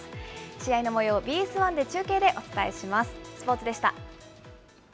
試合のもよう、ＢＳ１で中継でお伝えします。